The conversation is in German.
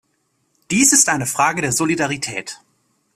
Dies ist eine Frage der Solidarität.